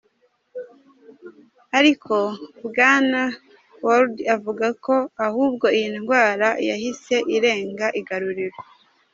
Ariko Bwana Ward avuga ko ahubwo iyi ndwara yahise "irenga igaruriro.